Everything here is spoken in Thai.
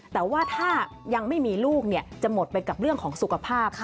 แต่ว่าถ้ายังไม่มีลูกจะหมดไปกับเรื่องของสุขภาพ